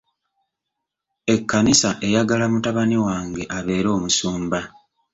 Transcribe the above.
Ekkanisa eyagala mutabani wange abeere omusumba.